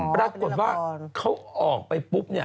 อ๋อเป็นละครประดับบทว่าเขาออกไปปุ๊บ